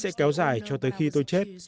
sợ hãi sẽ kéo dài cho tới khi tôi chết